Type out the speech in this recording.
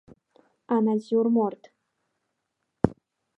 Анатиурморт…